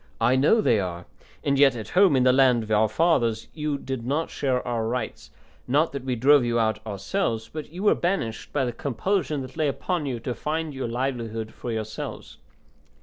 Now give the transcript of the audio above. I know they are; and yet at home in the land of our fathers you did not share our rights; not that we drove you out ourselves, but you were banished by the compulsion that lay upon you to find your livelihood for yourselves.